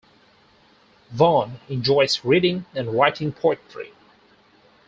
Vaughn enjoys reading and writing poetry.